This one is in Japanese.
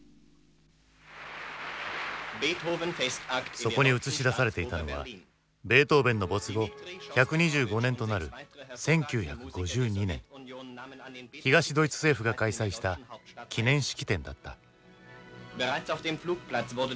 そこに映し出されていたのはベートーヴェンの没後１２５年となる１９５２年東ドイツ政府が開催した記念式典だった。